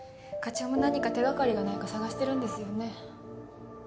課長も何か手掛かりがないか探してるんですよね。